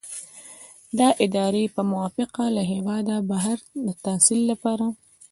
د ادارې په موافقه له هیواده بهر د تحصیل لپاره.